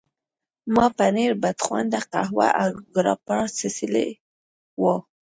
ما پنیر، بدخونده قهوه او ګراپا څښلي وو.